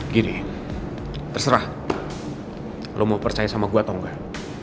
gini terserah lo mau percaya sama gue atau enggak